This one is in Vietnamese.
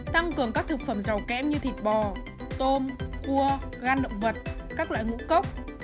tăng cường các thực phẩm giàu kém như thịt bò tôm cua gan động vật các loại ngũ cốc